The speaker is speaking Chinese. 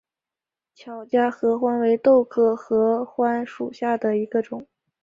巧家合欢为豆科合欢属下的一个种。